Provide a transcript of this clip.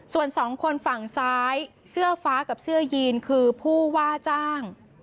ส่วนสองคนฝั่งซ้ายเสื้อฟ้ากับเสื้อยีนคือผู้ว่าจ้าง